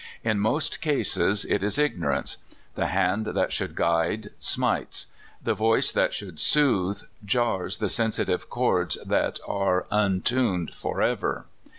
In most cases it is ignorance. The hand that should guide, smites; the voice that should soothe, jars the sensitive chords that are untuned forever.